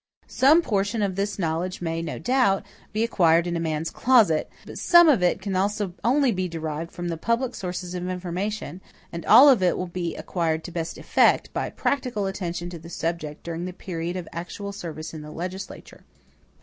Some portion of this knowledge may, no doubt, be acquired in a man's closet; but some of it also can only be derived from the public sources of information; and all of it will be acquired to best effect by a practical attention to the subject during the period of actual service in the legislature.